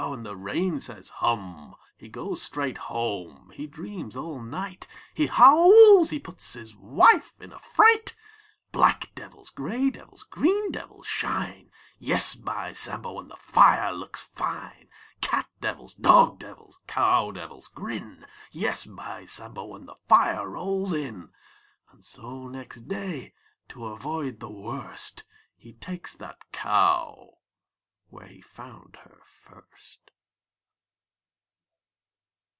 " and the rain says, « Hum !" He goes straight home. He dreams all night. He howls. He puts his wife in a fright. Black devils, grey devils, green devils shine — Yes, by Sambo, And the fire looks fine! Cat devils, dog devils, cow devils grin — Yes, by Sambo, And the fire rolls in. 870911 100 VACHEL LINDSAY And so, next day, to avoid the worst — He ta'kes that cow Where he found her first.